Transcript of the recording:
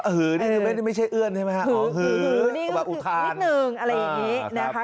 หือนี่ไม่ใช่เอื้อนใช่ไหมฮะหือนี่นิดหนึ่งอะไรอย่างนี้นะคะ